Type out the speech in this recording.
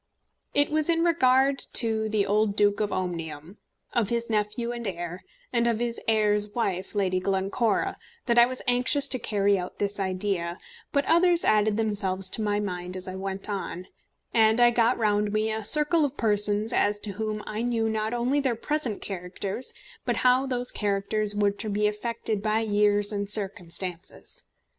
It was in regard to the old Duke of Omnium, of his nephew and heir, and of his heir's wife, Lady Glencora, that I was anxious to carry out this idea; but others added themselves to my mind as I went on, and I got round me a circle of persons as to whom I knew not only their present characters, but how those characters were to be affected by years and circumstances.